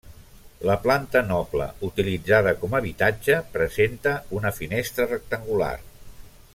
La planta noble, utilitzada com habitatge, presenta una finestra rectangular.